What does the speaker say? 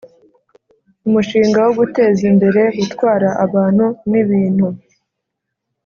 umushinga wo guteza imbere gutwara abantu ni bintu